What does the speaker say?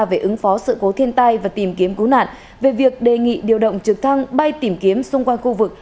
về ứng phó sự cố thiên tai và tìm kiếm cứu nạn về việc đề nghị điều động trực thăng bay tìm kiếm xung quanh khu vực